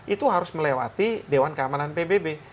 itu harus melewati dewan keamanan pbb